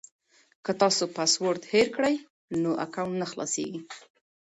که تاسو پاسورډ هېر کړئ نو اکاونټ نه خلاصیږي.